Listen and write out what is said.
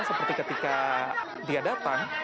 seperti ketika dia datang